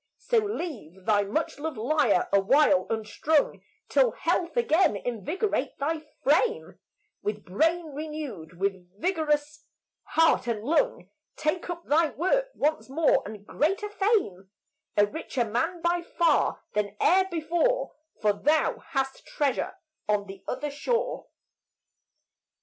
So leave thy much loved lyre awhile unstrung Till health again invigorate thy frame; With brain renewed, with vigorous heart and lung Take up thy work once more, and greater fame A richer man by far than e'er before, For thou hast treasure on the other shore.